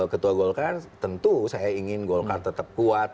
ketua golkar tentu saya ingin golkar tetap kuat